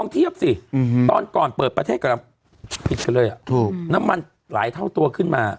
ตอนก่อนเปิดประเทศก็แล้วผิดกันเลยอ่ะถูกน้ำมันหลายเท่าตัวขึ้นมา